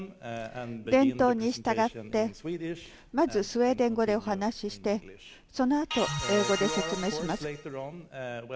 伝統に従ってまずスウェーデン語でお話ししてそのあと英語で説明します。